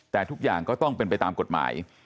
แต่ทุกอย่างก็ต้องเป็นไปตามกฎหมาย